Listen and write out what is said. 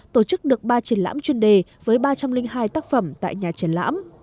tổ chức được ba triển lãm chuyên đề với ba trăm linh hai tác phẩm tại nhà triển lãm